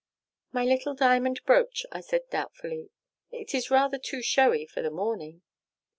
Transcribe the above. "'My little diamond brooch,' I said doubtfully. 'It is rather too showy for the morning.'